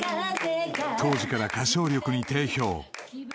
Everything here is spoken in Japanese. ［当時から歌唱力に定評早見優］